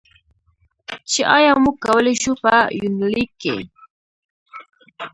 چې ایا موږ کولی شو، په یونلیک کې.